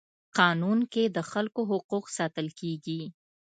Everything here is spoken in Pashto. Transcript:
قانون کي د خلکو حقوق ساتل کيږي.